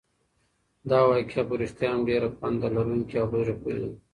دا واقعه په رښتیا هم ډېره پنده لرونکې او په زړه پورې ده.